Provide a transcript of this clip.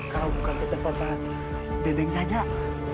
kalau bukan ke tempat dendeng jajak